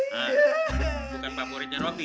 bukan favoritnya robi